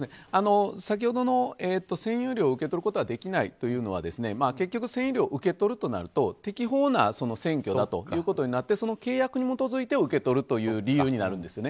先ほどの占用料を受け取ることはできないというのは結局、占用料を受け取るとなると適法な占拠だということになってその契約に基づいて受け取る理由になるんですね。